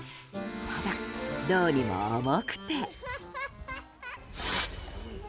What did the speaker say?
ただ、どうにも重くて。